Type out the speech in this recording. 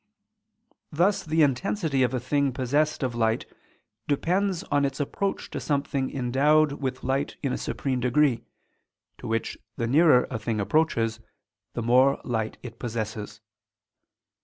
Thus the intensity of a thing possessed of light depends on its approach to something endowed with light in a supreme degree, to which the nearer a thing approaches the more light it possesses.